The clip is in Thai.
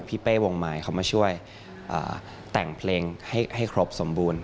เป้วงมายเขามาช่วยแต่งเพลงให้ครบสมบูรณ